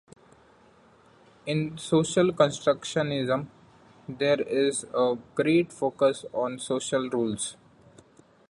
In social constructionism there is a great focus on social rules.